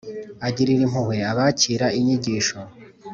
Agirira impuhwe abakira inyigisho,